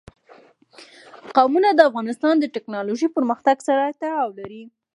قومونه د افغانستان د تکنالوژۍ پرمختګ سره تړاو لري.